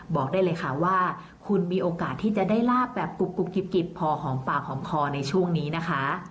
บอกได้เลยค่ะว่าคุณมีโอกาสที่จะได้ลาบแบบกรุบกิบพอหอมปากหอมคอในช่วงนี้นะคะ